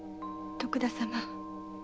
徳田様